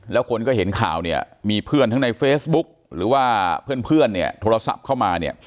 แล้วคนก็เห็นข่าวเนี่ยมีเพื่อนทั้งในเฟซบุ๊กหรือว่าเพื่อนเนี่ยโทรศัพท์เข้ามาเนี่ย